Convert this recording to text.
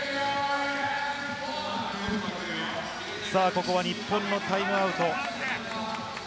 ここは日本のタイムアウト。